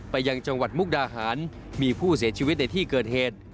ยังจังหวัดมุกดาหารมีผู้เสียชีวิตในที่เกิดเหตุ